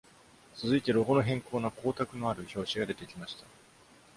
続いてロゴの変更な光沢のある表紙が出てきました。